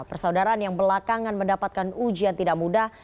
persaudaraan yang belakangan mendapatkan ujian tidak mudah